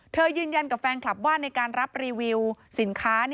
ยืนยันกับแฟนคลับว่าในการรับรีวิวสินค้า